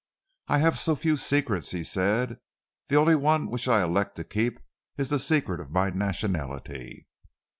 "I have so few secrets," he said. "The only one which I elect to keep is the secret of my nationality."